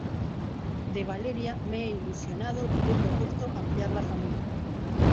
de Valeria me he ilusionado y le he propuesto ampliar la familia